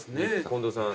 近藤さん